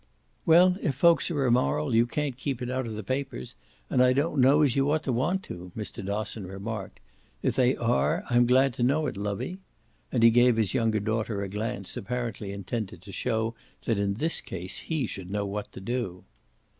"Well, if folks are immoral you can't keep it out of the papers and I don't know as you ought to want to," Mr. Dosson remarked. "If they ARE I'm glad to know it, lovey." And he gave his younger daughter a glance apparently intended to show that in this case he should know what to do.